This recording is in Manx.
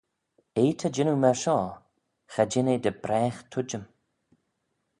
Eh ta jannoo myr shoh: cha jean eh dy bragh tuittym.